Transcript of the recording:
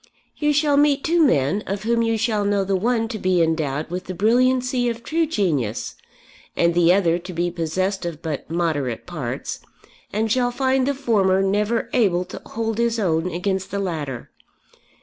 You shall meet two men of whom you shall know the one to be endowed with the brilliancy of true genius, and the other to be possessed of but moderate parts, and shall find the former never able to hold his own against the latter.